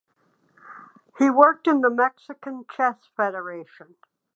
He worked in the Mexican Chess Federation.